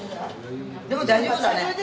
でも大丈夫だね。